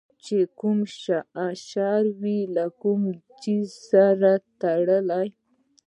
چې کوم شر وي له کوم څیز سره تړلی